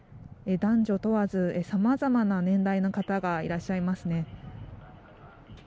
男女問わずさまざまな年代の方がいらっしゃいますね。